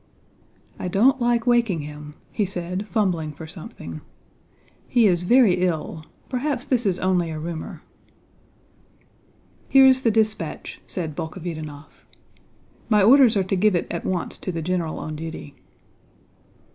"I don't like waking him," he said, fumbling for something. "He is very ill. Perhaps this is only a rumor." "Here is the dispatch," said Bolkhovítinov. "My orders are to give it at once to the general on duty."